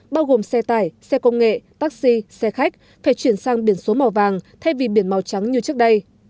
bao gồm xe tải xe công nghệ taxi xe khách phải chuyển sang biển số màu vàng thay vì biển màu trắng như trước đây